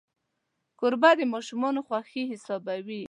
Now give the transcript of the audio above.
کوربه د ماشومانو خوښي حسابوي.